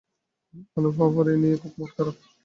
অনুফা আপার এই নিয়ে খুব মন-খারাপ।